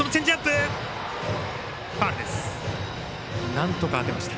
なんとか当てました。